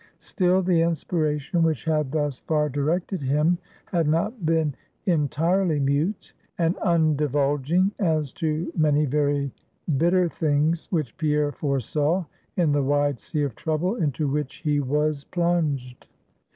Still, the inspiration which had thus far directed him had not been entirely mute and undivulging as to many very bitter things which Pierre foresaw in the wide sea of trouble into which he was plunged.